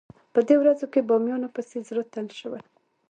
په دې ورځو کې بامیانو پسې زړه تنګ شوی.